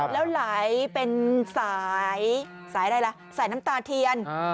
แล้วไหลเป็นสายสายอะไรล่ะสายน้ำตาเทียน